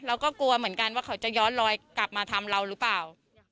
เราก็กลัวเหมือนกันว่าเขาจะย้อนลอยกลับมาทำเราหรือเปล่า